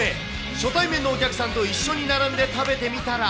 初対面のお客さんと一緒に並んで食べてみたら。